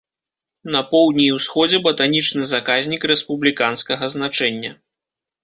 На поўдні і ўсходзе батанічны заказнік рэспубліканскага значэння.